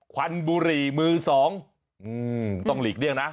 วันบุหรี่มือสองต้องหลีกเลี่ยงนะ